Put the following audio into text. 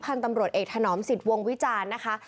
พันธุ์ตำรวจเอกถนอมสิทธิ์วงวิจารณ์นะคะ